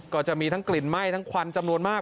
ก็จะมีทั้งกลิ่นไหม้ทั้งควันจำนวนมาก